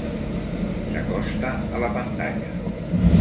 S'acosta a la pantalla.